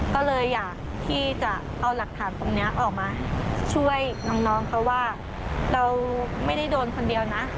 ก็เลยอยากที่จะเอาหลักฐานตรงนี้ออกมาช่วยน้องเขาว่าเราไม่ได้โดนคนเดียวนะ